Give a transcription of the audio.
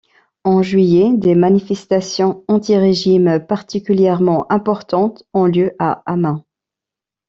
En juillet, des manifestations anti-régime particulièrement importantes ont lieu à Hama.